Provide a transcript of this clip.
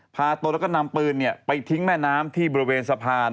พาตัวแล้วก็นำปืนไปทิ้งแม่น้ำที่บริเวณสะพาน